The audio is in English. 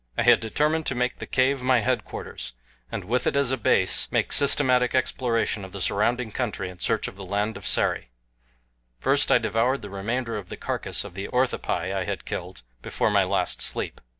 I had determined to make the cave my headquarters, and with it as a base make a systematic exploration of the surrounding country in search of the land of Sari. First I devoured the remainder of the carcass of the orthopi I had killed before my last sleep.